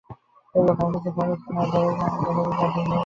এই লোক আর কিছু পারুন না-পরুিন, তাঁর স্বামীর প্রাথমিক কাঠিন্য ভেঙে দিয়েছেন।